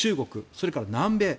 それから南米。